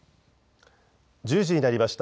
１０時になりました。